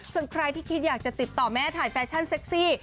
ส่วนใครที่คิดอยากจะติดต่อแม่ถ่ายแฟชั่นเซ็กซี่